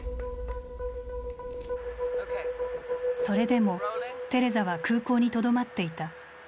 それでもテレザは空港にとどまっていた。